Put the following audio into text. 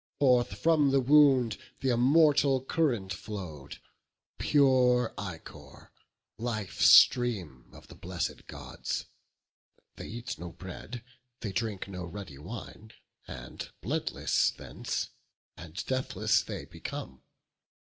Forth from the wound th' immortal current flow'd, Pure ichor, life stream of the blessed Gods; They eat no bread, they drink no ruddy wine, And bloodless thence and deathless they become.